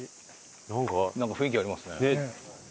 なんか雰囲気ありますね。